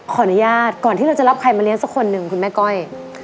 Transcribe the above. ขออนุญาตก่อนที่เราจะรับใครมาเลี้ยสักคนหนึ่งคุณแม่ก้อย